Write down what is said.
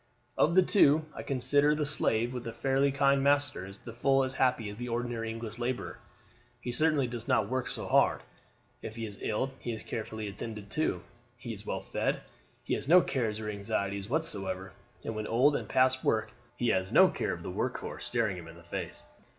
"Of the two, I consider that the slave with a fairly kind master is to the full as happy as the ordinary English laborer. He certainly does not work so hard, if he is ill he is carefully attended to, he is well fed, he has no cares or anxieties whatever, and when old and past work he has no fear of the workhouse staring him in the face.